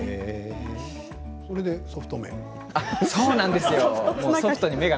それでソフト麺を？